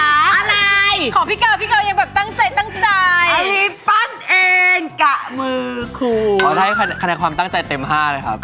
อะไรของพี่เกลยังแบบตั้งใจอลีปั้นเองกะมือครูขนาดความตั้งใจเต็มห้าเลยครับ